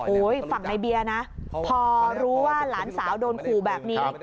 ฝั่งในเบียร์นะพอรู้ว่าหลานสาวโดนขู่แบบนี้